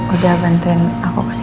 udah bantuin aku kesini